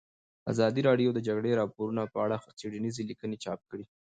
ازادي راډیو د د جګړې راپورونه په اړه څېړنیزې لیکنې چاپ کړي.